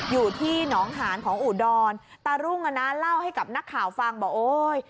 อยู่ที่หนองหานของอุดรตารุ่งอ่ะนะเล่าให้กับนักข่าวฟังบอกโอ้ย